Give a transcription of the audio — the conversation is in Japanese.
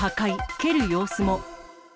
蹴る様子も。